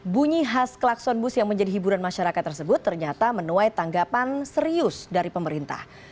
bunyi khas klakson bus yang menjadi hiburan masyarakat tersebut ternyata menuai tanggapan serius dari pemerintah